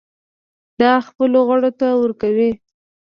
دا خپلو غړو ته ورکوي.